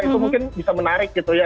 itu mungkin bisa menarik gitu ya